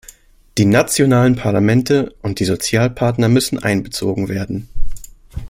Die nationalen Parlamente und die Sozialpartner müssen einbezogen werden.